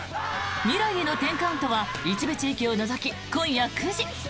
「未来への１０カウント」は一部地域を除き、今夜９時。